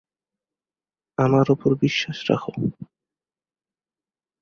আমার ওপর বিশ্বাস রাখো।